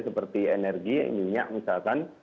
seperti energi minyak misalkan